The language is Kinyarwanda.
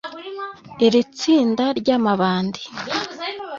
Iri tsinda ry’amabandi